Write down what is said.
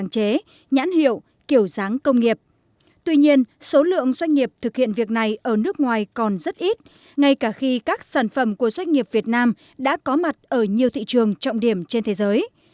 tuy nhiên số lượng doanh nghiệp thực hiện việc này ở nước ngoài còn rất ít ngay cả khi các sản phẩm của doanh nghiệp việt nam đã có mặt ở nhiều thị trường trọng điểm trên thế giới